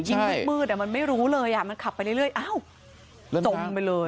มืดมันไม่รู้เลยอ่ะมันขับไปเรื่อยอ้าวจมไปเลย